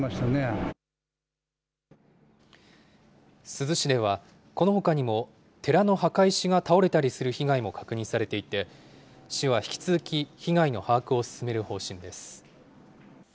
珠洲市では、このほかにも寺の墓石が倒れたりする被害も確認されていて、市は引き続き、被害の把握を進める方針です。